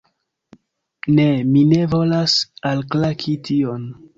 Ne, mi ne volas alklaki tion!